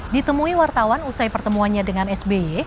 ditemui wartawan usai pertemuannya dengan sby